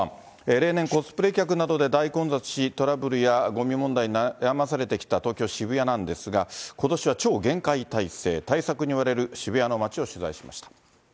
例年、コスプレ客などで大混雑し、トラブルやごみ問題に悩まされてきた東京・渋谷なんですが、ことしは超厳戒態勢、対策に追われる渋谷の街を取材しました。